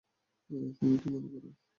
তুমি কী মনে করো?